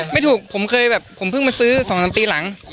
ไม่ถูกผมเคยแบบผมเพิ่งมาซื้อ๒๓ปีหลัง